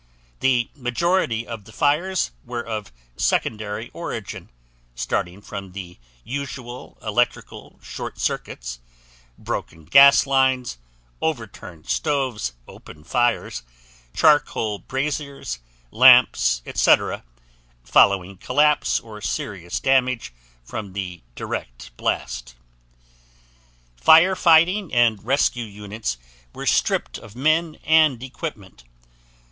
The majority of the fires were of secondary origin starting from the usual electrical short circuits, broken gas lines, overturned stoves, open fires, charcoal braziers, lamps, etc., following collapse or serious damage from the direct blast. Fire fighting and rescue units were stripped of men and equipment.